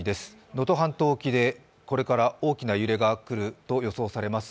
能登半島沖でこれから大きな揺れが来ると予想されています。